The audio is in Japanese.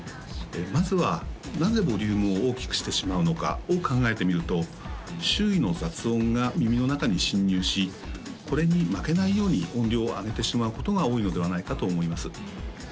まずはなぜボリュームを大きくしてしまうのかを考えてみると周囲の雑音が耳の中に侵入しこれに負けないように音量を上げてしまうことが多いのではないかと思います